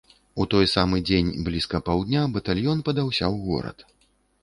У той самы дзень блізка паўдня батальён падаўся ў горад.